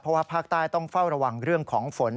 เพราะว่าภาคใต้ต้องเฝ้าระวังเรื่องของฝน